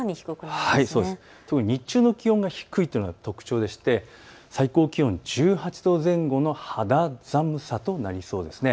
特に日中の気温が低いというのが特徴でして最高気温１８度前後の肌寒さとなりそうです。